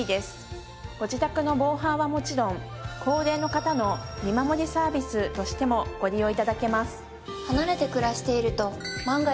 ご自宅の防犯はもちろん高齢の方の見守りサービスとしてもご利用頂けます。